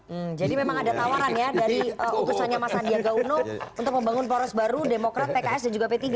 jadi memang ada tawaran ya dari utusannya pak sandiaga uno untuk membangun polres baru demokrat pks dan juga p tiga